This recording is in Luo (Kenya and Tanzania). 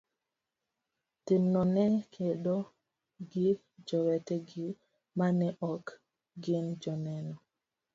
timno ne kedo gi jowetegi ma ne ok gin Joneno.